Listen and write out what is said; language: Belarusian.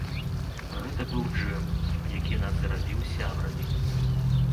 Гэта быў джэм, які нас зрабіў сябрамі.